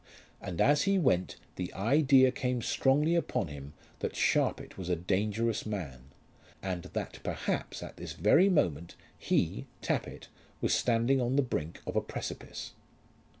And as he went the idea came strongly upon him that Sharpit was a dangerous man, and that perhaps at this very moment he, Tappitt, was standing on the brink of a precipice.